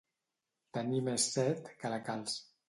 Tenir més set que la calç.